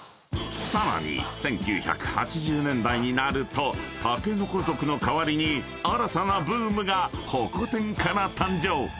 ［さらに１９８０年代になると竹の子族の代わりに新たなブームがホコ天から誕生］